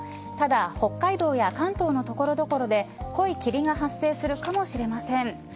ただ、北海道や関東の所々で濃い霧が発生するかもしれません。